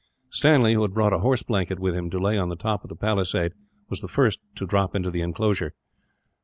Stanley, who had brought a horse blanket with him to lay on the top of the palisade, was the first to drop into the inclosure.